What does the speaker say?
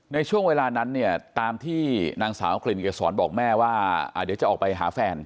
ในช่วงเวลานั้นเนี่ยตามที่นางสาวกลิ่นเกษรบอกแม่ว่าเดี๋ยวจะออกไปหาแฟน